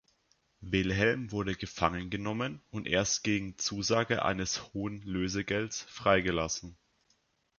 Wilhelm wurde gefangen genommen und erst gegen Zusage eines hohen Lösegeldes freigelassen.